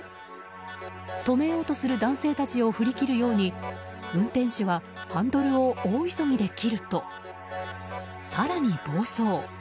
止めようとする男性たちを振り切るように運転手はハンドルを大急ぎで切ると更に暴走。